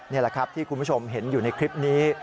นี่แหละครับที่คุณผู้ชมเห็นอยู่ในคลิปนี้